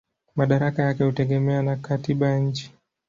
Madaraka yake hutegemea na katiba ya nchi.